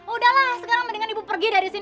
udahlah sekarang mendingan ibu pergi dari sini